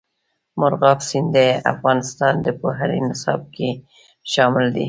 مورغاب سیند د افغانستان د پوهنې نصاب کې شامل دي.